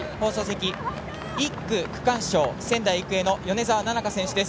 １区区間賞、仙台育英の米澤奈々香選手です。